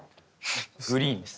グリーンです。